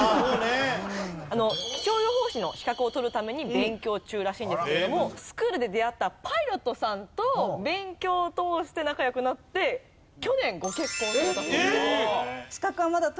気象予報士の資格を取るために勉強中らしいんですけれどもスクールで出会ったパイロットさんと勉強を通して仲良くなって去年ご結婚されたそうです。